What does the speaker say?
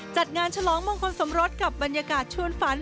จัดงานฉลองมงคลสมรสกับบรรยากาศชวนฝัน